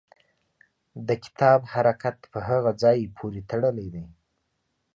د کتاب حرکت په هغه ځای پورې تړلی دی.